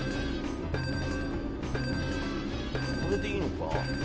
あれでいいのか？